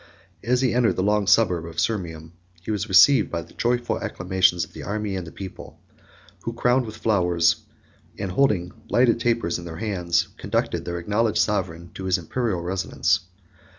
As he entered the long suburb of Sirmium, he was received by the joyful acclamations of the army and people; who, crowned with flowers, and holding lighted tapers in their hands, conducted their acknowledged sovereign to his Imperial residence.